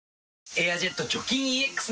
「エアジェット除菌ＥＸ」